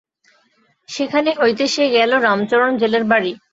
সেখান হইতে সে গেল রামচরণ জেলের বাড়ি।